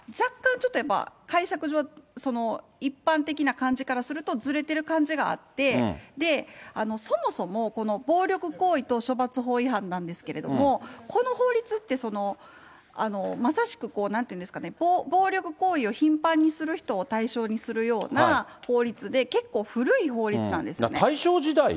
ちょっと解釈上は、一般的な感じからすると、ずれてる感じがあって、そもそも、この暴力行為と処罰法違反なんですけれども、この法律って、まさしくなんていうんですかね、暴力行為を頻繁にする人を対象にするような法律で、結構古い法律なんですね。